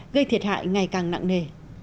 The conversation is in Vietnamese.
gây thiệt hại ngày càng nặng nề